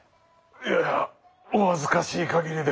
いやお恥ずかしい限りで。